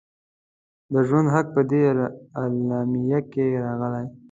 د ژوند حق په دې اعلامیه کې راغلی.